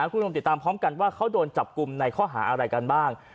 คุณผู้ชมติดตามพร้อมกันว่าเขาโดนจับกลุ่มในข้อหาอะไรกันบ้าง